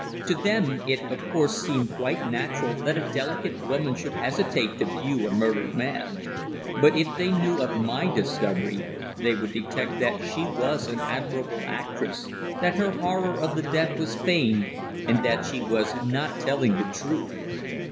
To them it, of course, seemed quite natural that a delicate woman should hesitate to view a murdered man. But if they knew of my discovery they would detect that she was an admirable actress that her horror of the dead was feigned, and that she was not telling the truth.